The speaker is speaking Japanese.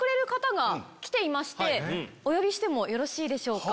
お呼びしてよろしいでしょうか？